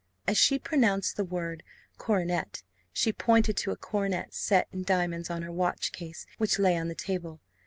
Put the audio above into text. As she pronounced the word coronet, she pointed to a coronet set in diamonds on her watch case, which lay on the table.